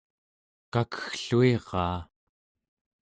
kakeggluiraa